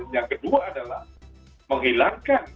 yang kedua adalah menghilangkan